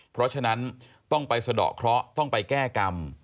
เพราะฉะนั้นต้องไปสะดอกเคราะห์ต้องไปแก้กรรม